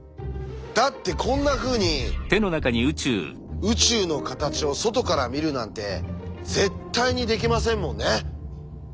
だってこんなふうに宇宙の形を外から見るなんて絶対にできませんもんね。